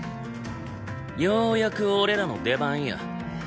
ようやく俺らの出番や。